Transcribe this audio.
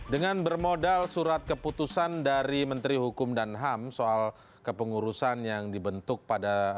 dengan bermodal surat keputusan dari menteri hukum dan ham soal kepengurusan yang dibentuk pada